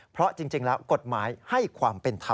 เพราะจริงแล้วกฎหมายให้ความเป็นธรรม